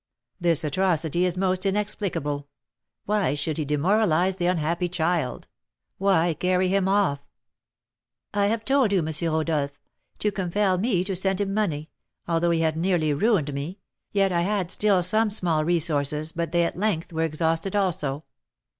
'" "This atrocity is most inexplicable; why should he demoralise the unhappy child? Why carry him off?" "I have told you, M. Rodolph, to compel me to send him money; although he had nearly ruined me, yet I had still some small resources, but they at length were exhausted also.